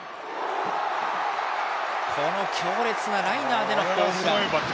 強烈なライナーでのホームラン。